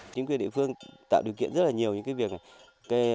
chính quyền địa phương tạo điều kiện rất là nhiều những cái việc